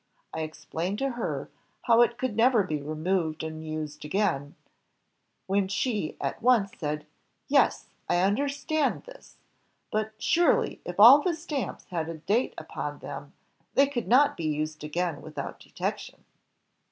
I explained to her how it could never be removed and used again ..., when she at once said, 'Yes I understand this; but surely, if all the stamps had a date upon them, they could not be used again without detection.'